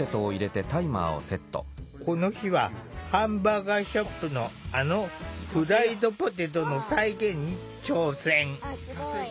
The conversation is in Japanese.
この日はハンバーガーショップのあのフライドポテトの再現に挑戦。